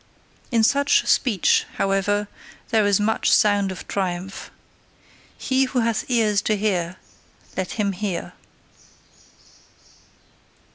In such speech, however, there is much sound of triumph. He who hath ears to hear, let him hear.